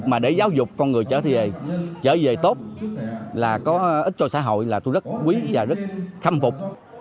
mà để giáo dục con người trở về trở về tốt là có ích cho xã hội là tôi rất quý và rất khâm phục